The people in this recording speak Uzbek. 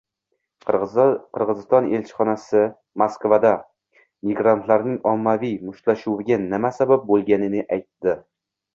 Qirg‘iziston elchixonasi Moskvada migrantlarning ommaviy mushtlashuviga nima sabab bo‘lganini aytdi